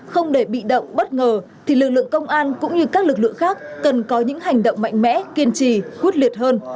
không để bị động bất ngờ thì lực lượng công an cũng như các lực lượng khác cần có những hành động mạnh mẽ kiên trì quyết liệt hơn